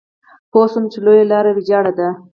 پوه شوم چې لویه لار ويجاړه ده.